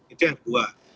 itu yang kedua